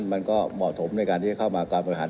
มันก็เหมาะสมในการที่จะเข้ามาการบริหาร